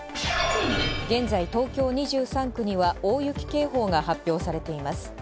現在東京２３区には大雪警報が発表されています。